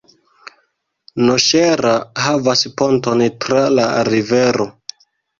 Noŝera havas ponton tra la rivero.